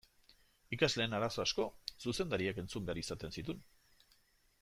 Ikasleen arazo asko zuzendariak entzun behar izaten zituen.